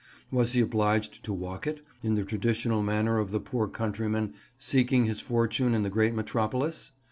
Was he obliged to walk it, in the traditional manner of the poor countryman seeking his fortune in the great metropolis?